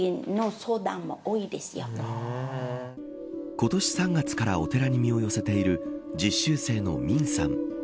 今年３月からお寺に身を寄せている実習生のミンさん。